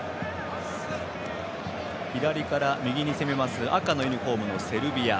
左から右に攻めます赤のユニフォームのセルビア。